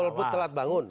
golput telat bangun